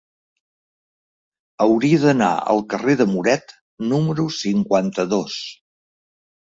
Hauria d'anar al carrer de Muret número cinquanta-dos.